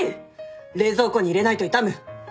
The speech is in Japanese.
冷蔵庫に入れないと傷む。